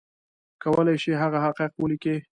کولی شي هغه حقایق ولیکي